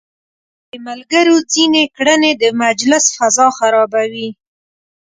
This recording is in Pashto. د ملګرو ځينې کړنې د مجلس فضا خرابوي.